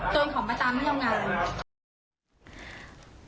จนเขามาตามไม่ยอมงาน